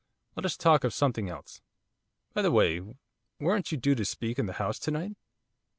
Let us talk of something else. By the way, weren't you due to speak in the House to night?